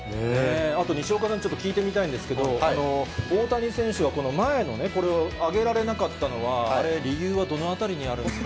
あと西岡さん、ちょっと聞いてみたいんですけど、大谷選手が前のね、これを上げられなかったのは、あれ、理由はどのあたりにあるんですか。